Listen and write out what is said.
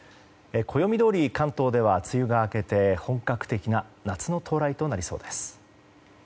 暦どおり、関東では梅雨が明けて本格的な夏の到来となりそうです。